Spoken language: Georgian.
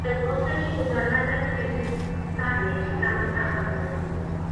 ძველ კოლხეთში უზარმაზარი თევზის სახით გამოსახავდნენ.